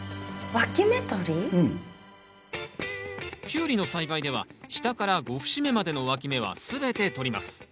キュウリの栽培では下から５節目までのわき芽は全て取ります。